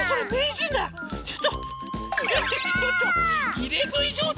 いれぐいじょうたい？